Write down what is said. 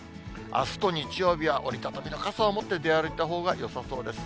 あすと日曜日は折り畳みの傘を持って出歩いたほうがよさそうです。